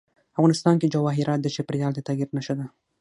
افغانستان کې جواهرات د چاپېریال د تغیر نښه ده.